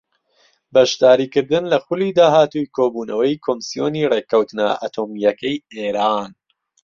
بەشداریکردن لە خولی داهاتووی کۆبوونەوەی کۆمسیۆنی ڕێککەوتنە ئەتۆمییەکەی ئێران